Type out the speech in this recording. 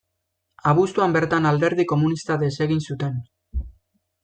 Abuztuan bertan Alderdi Komunista desegin zuten.